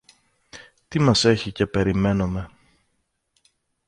Τι μας έχει και περιμένομε;